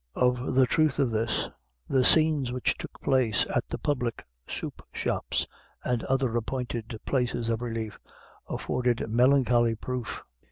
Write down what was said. Of the truth of this, the scenes which took place at the public Soup Shops, and other appointed places of relief, afforded melancholy proof.